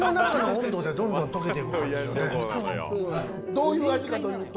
どういう味かというと。